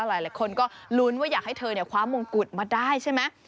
หลายคนก็ลุ้นว่าอยากให้เธอคว้ามงกุฎมาได้ใช่ไหม